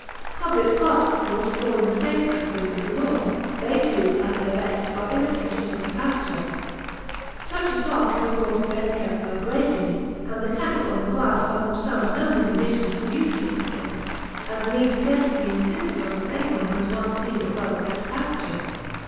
Public parks of course fall in the same category with the lawn; they too, at their best, are imitations of the pasture. Such a park is of course best kept by grazing, and the cattle on the grass are themselves no mean addition to the beauty of the thing, as need scarcely be insisted on with anyone who has once seen a well kept pasture.